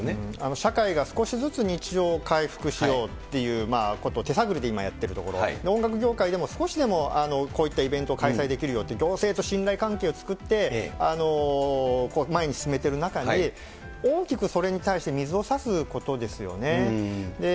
社会が少しずつ日常を回復しようっていうことを手探りでやっているところ、音楽業界でも少しでもこういったイベントを開催できるようにと、行政と信頼関係を作って、前に進めている中に、大きくそれに対して、水を差すことですよね。